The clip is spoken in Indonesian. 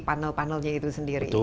panel panelnya itu sendiri